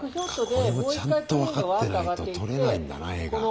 これもちゃんと分かってないと撮れないんだな画が。